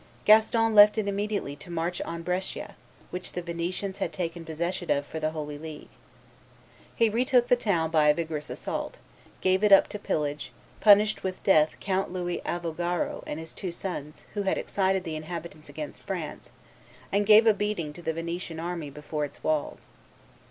Gaston left it immediately to march on Brescia, which the Venetians had taken possession of for the Holy League. He retook the town by a vigorous assault, gave it up to pillage, punished with death Count Louis Avogaro and his two sons, who had excited the inhabitants against France, and gave a beating to the Venetian army before its walls.